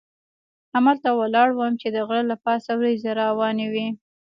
همالته ولاړ وم چې د غره له پاسه وریځې را روانې وې.